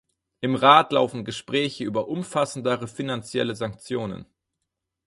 Im Rat laufen Gespräche über umfassendere finanzielle Sanktionen.